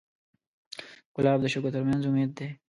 ګلاب د شګو تر منځ امید دی.